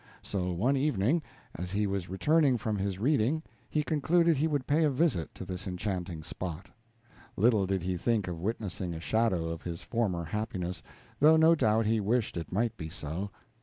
So one evening, as he was returning from his reading, he concluded he would pay a visit to this enchanting spot. Little did he think of witnessing a shadow of his former happiness, though no doubt he wished it might be so.